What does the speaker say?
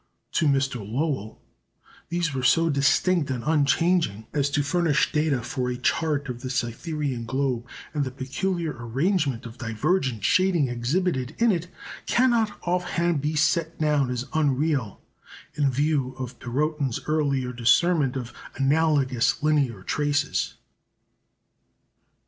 To Mr. Lowell these were so distinct and unchanging as to furnish data for a chart of the Cytherean globe, and the peculiar arrangement of divergent shading exhibited in it cannot off hand be set down as unreal, in view of Perrotin's earlier discernment of analogous linear traces.